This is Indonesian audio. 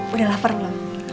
udah lapar belum